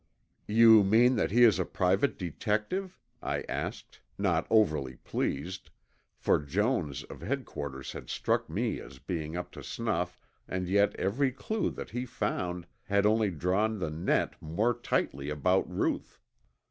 "You mean that he is a private detective?" I asked, not overly pleased, for Jones of Headquarters had struck me as being up to snuff and yet every clue that he found had only drawn the net more tightly about Ruth.